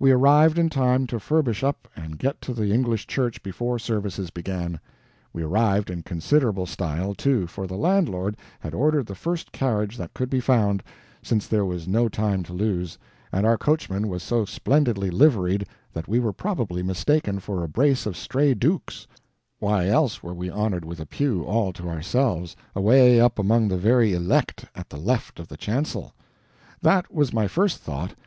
We arrived in time to furbish up and get to the English church before services began. We arrived in considerable style, too, for the landlord had ordered the first carriage that could be found, since there was no time to lose, and our coachman was so splendidly liveried that we were probably mistaken for a brace of stray dukes; why else were we honored with a pew all to ourselves, away up among the very elect at the left of the chancel? That was my first thought.